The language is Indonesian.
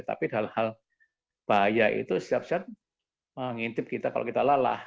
tapi hal hal bahaya itu setiap saat mengintip kita kalau kita lelah